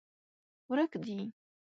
ورک دي